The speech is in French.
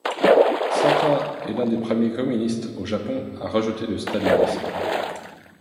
Sata est l'un des premiers communistes au Japon à rejeter le stalinisme.